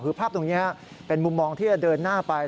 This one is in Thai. คือภาพตรงนี้เป็นมุมมองที่จะเดินหน้าไป